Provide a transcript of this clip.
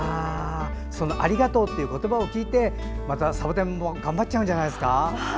そのありがとうという言葉を聞いてまた、サボテンも頑張っちゃうんじゃないですか？